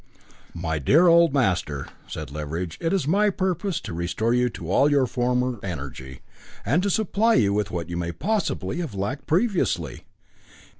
"My dear old master," said Leveridge, "it is my purpose to restore to you all your former energy, and to supply you with what you may possibly have lacked previously."